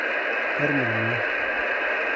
Ar melmi?